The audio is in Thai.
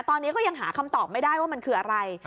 ตอนนี้ก็ยังหาคำตอบไม่ได้ว่ามันคืออะไร